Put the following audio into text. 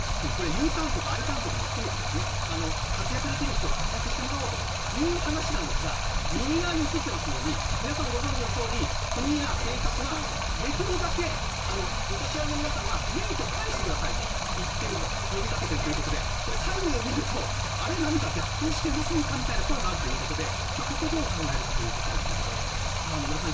ＵターンかＩターンも含めて活躍できる人は活躍してもらおうという話なんですが皆さんご存じのように国や警察はできるだけお年寄りの皆さんは免許返してくださいと呼びかけているということで左右を見ると何か逆行してませんかみたいな声もあるということでここをどう考えるかということですが野村さん